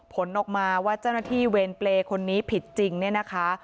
ผลออกมาว่าเจ้าหน้าที่เวรเปรย์คนนี้ผิดจริงเนี่ยนะคะ